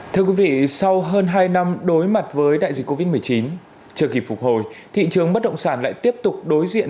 thưa quý vị sau hơn hai năm đối mặt với đại dịch covid một mươi chín chưa kịp phục hồi thị trường bất động sản lại tiếp tục đối diện